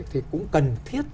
thì cũng cần thiết